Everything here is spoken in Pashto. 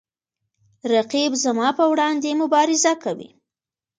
رقیب زما په وړاندې مبارزه کوي